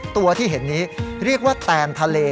ตัวที่เห็นนี้เรียกว่าแตนทะเล